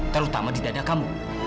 terutama di dada kamu